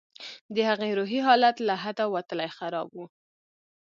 د هغې روحي حالت له حده وتلى خراب و.